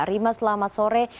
rima selamat sore